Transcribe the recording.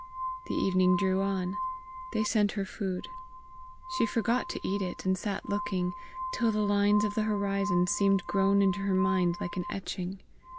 The evening drew on. They sent her food. She forgot to eat it, and sat looking, till the lines of the horizon seemed grown into her mind like an etching.